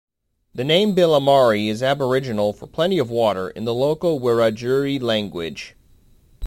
The name "Billimari" is Aboriginal for "plenty of water" in the local Wiradjuri language.